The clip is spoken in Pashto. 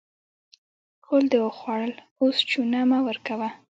غول دې وخوړل؛ اوس چونه مه ورکوه.